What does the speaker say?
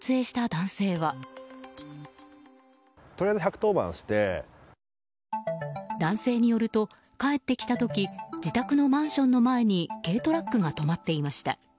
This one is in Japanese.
男性によると帰ってきた時自宅のマンションの前に軽トラックが止まっていました。